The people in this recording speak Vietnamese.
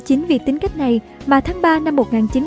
chính vì tính cách này mà tháng ba năm